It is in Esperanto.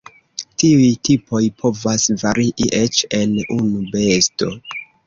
Tiuj tipoj povas varii eĉ en unu besto.